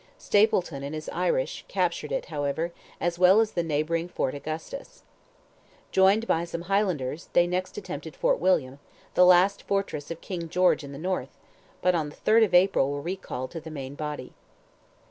Stapleton and his Irish, captured it, however, as well as the neighbouring Fort Augustus. Joined by some Highlanders, they next attempted Fort William, the last fortress of King George in the north, but on the 3rd of April were recalled to the main body.